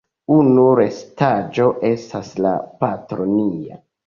Unu restaĵo estas la "Patro nia".